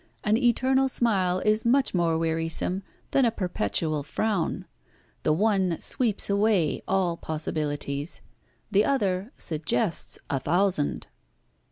An eternal smile is much more wearisome than a perpetual frown. The one sweeps away all possibilities, the other suggests a thousand."